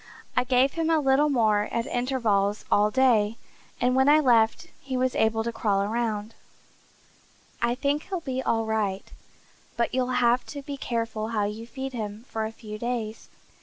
I gave him a little more at intervals all day, and when I left he was able to crawl around. I think he'll be all right, but you'll have to be careful how you feed him for a few days.